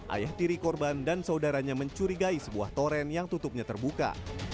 ayah tiri korban dan saudaranya mencurigai sebuah toren yang tutupnya terbuka